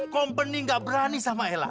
company nggak berani sama elah